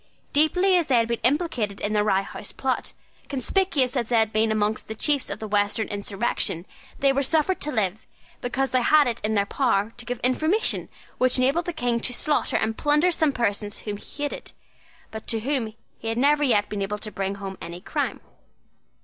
Deeply as they had been implicated in the Rye House plot, conspicuous as they had been among the chiefs of the Western insurrection, they were suffered to live, because they had it in their power to give information which enabled the King to slaughter and plunder some persons whom he hated, but to whom he had never yet been able to bring home any crime.